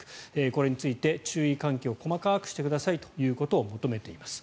これについて注意喚起を細かくしてくださいということを求めています。